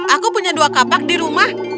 aku punya dua kapak di rumah